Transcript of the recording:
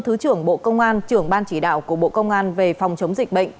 thứ trưởng bộ công an trưởng ban chỉ đạo của bộ công an về phòng chống dịch bệnh